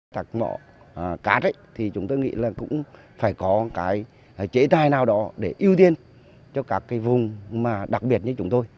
các mỏ cát thì chúng tôi nghĩ là cũng phải có cái chế tài nào đó để ưu tiên cho các cái vùng đặc biệt như chúng tôi